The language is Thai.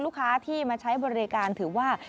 ลูกค้าที่มาใช้บริการถือว่า